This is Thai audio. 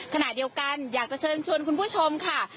ขณะเดียวกันอยากจะเชิญชวนคุณผู้ชมค่ะ